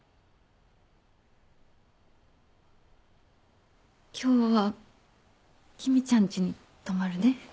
今日は君ちゃんちに泊まるね。